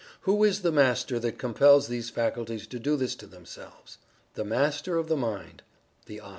Who is the Master that compels these faculties to do this to themselves? The Master of the Mind The "I."